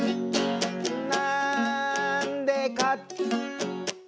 「なんでか？」